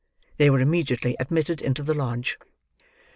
They were immediately admitted into the lodge.